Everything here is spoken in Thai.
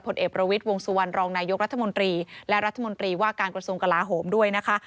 เอกประวิทย์วงสุวรรณรองนายกรัฐมนตรีและรัฐมนตรีว่าการกระทรวงกลาโหมด้วยนะคะ